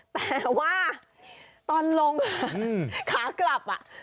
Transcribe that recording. แต่ว่าตอนลงขากลับ